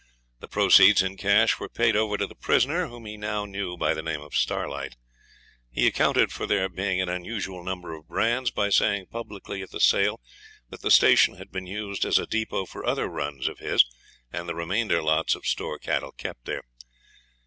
The proceeds in cash were paid over to the prisoner, whom he now knew by the name of Starlight. He accounted for there being an unusual number of brands by saying publicly at the sale that the station had been used as a depot for other runs of his, and the remainder lots of store cattle kept there.